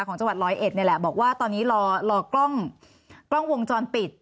ของจังหวัด๑๐๑เนี่ยแหละบอกว่าตอนนี้รอกล้องวงจรปิด